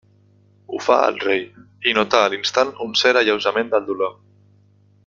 Ho fa el rei, i nota a l'instant un cert alleujament del dolor.